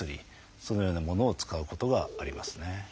そのようなものを使うことがありますね。